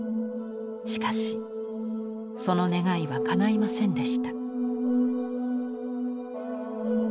しかしその願いはかないませんでした。